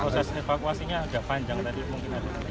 proses evakuasinya agak panjang tadi mungkin